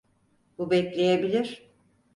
Bu bekleyebilir.